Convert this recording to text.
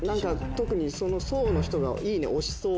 特にその層の人がいいね押しそう。